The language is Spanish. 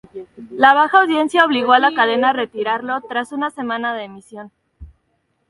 La baja audiencia obligó a la cadena a retirarlo tras una semana de emisión.